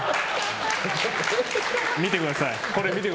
見てください、これ。